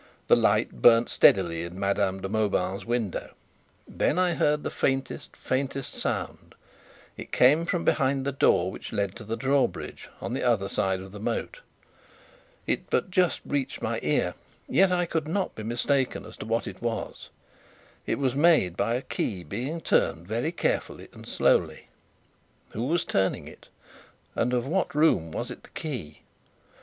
The light burnt steadily in Madame de Mauban's window. Then I heard the faintest, faintest sound: it came from behind the door which led to the drawbridge on the other side of the moat. It but just reached my ear, yet I could not be mistaken as to what it was. It was made by a key being turned very carefully and slowly. Who was turning it? And of what room was it the key?